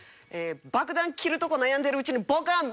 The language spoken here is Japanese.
「爆弾切るとこ悩んでるうちにボカーン」